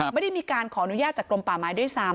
ไม่ได้มีการขออนุญาตจากกรมป่าไม้ด้วยซ้ำ